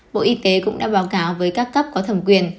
bộ y tế cũng đã báo cáo với các cấp có thẩm quyền